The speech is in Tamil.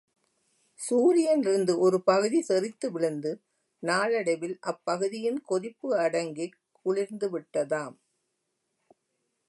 சூரியனிலிருந்து ஒரு பகுதி தெறித்து விழுந்து நாளடைவில் அப்பகுதியின் கொதிப்பு அடங்கிக் குளிர்ந்துவிட்டதாம்.